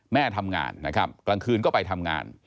แม่ทำงานนะครับกลางคืนก็ไปทำงาน